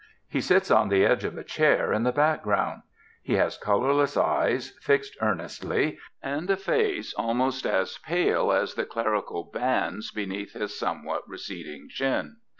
He sits on the edge of a chair in the background. He has colorless eyes, fixed earnestly, and a face almost as pale as the clerical bands beneath his somewhat receding chin.